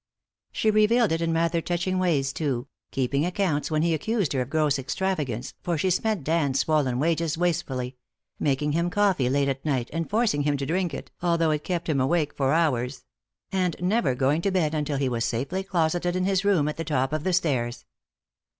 She revealed it in rather touching ways, too, keeping accounts when he accused her of gross extravagance, for she spent Dan's swollen wages wastefully; making him coffee late at night, and forcing him to drink it, although it kept him awake for hours; and never going to bed until he was safely closeted in his room at the top of the stairs.